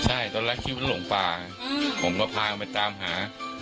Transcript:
ใช่ตอนแรกคิดว่าหลงป่าผมก็พากันไปตามหา